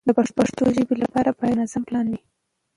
د پښتو ژبې لپاره باید منظم پلان وي.